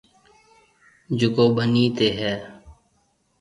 جڪو ٻنِي تي هيَ۔